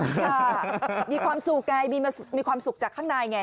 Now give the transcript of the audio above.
ค่ะมีความสุขไงมีความสุขจากข้างในไง